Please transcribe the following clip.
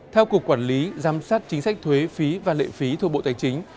theo cục quản lý giám sát chính sách thuế phí và lệ phí thuộc bộ tài chính